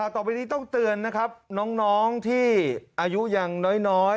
ต่อไปนี้ต้องเตือนนะครับน้องที่อายุยังน้อย